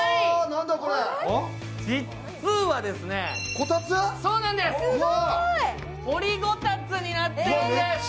実は掘りごたつになっています。